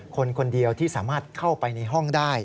คนคนเดียวที่สามารถเข้าไปในห้องได้